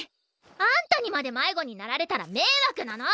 あんたにまで迷子になられたらめいわくなの！